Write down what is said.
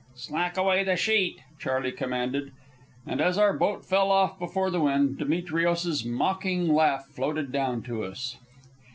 "Slack away the sheet," Charley commanded; and as our boat fell off before the wind, Demetrios's mocking laugh floated down to us.